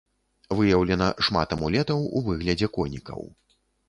Выяўлена шмат амулетаў у выглядзе конікаў.